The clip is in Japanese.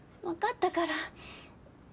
分かったから。